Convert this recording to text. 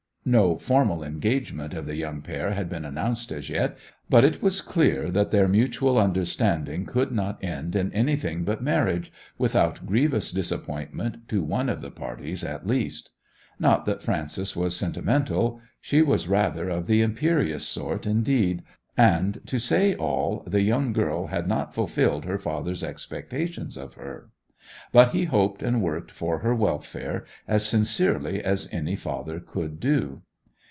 No formal engagement of the young pair had been announced as yet, but it was clear that their mutual understanding could not end in anything but marriage without grievous disappointment to one of the parties at least. Not that Frances was sentimental. She was rather of the imperious sort, indeed; and, to say all, the young girl had not fulfilled her father's expectations of her. But he hoped and worked for her welfare as sincerely as any father could do.